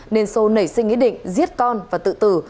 nên sô nảy sinh ý định giết con và tự tử